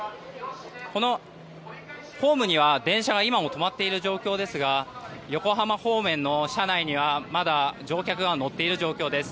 このホームには電車が今も止まっている状況ですが横浜方面の車内にはまだ乗客が乗っている状況です。